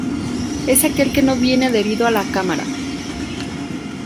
Es aquel que no viene adherido a la cámara.